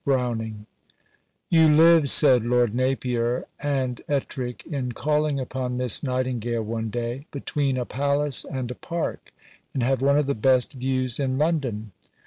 BROWNING. "You live," said Lord Napier and Ettrick, in calling upon Miss Nightingale one day, "between a Palace and a Park, and have one of the best views in London."